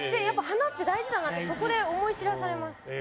やっぱ鼻って大事だなってそこで思い知らされます。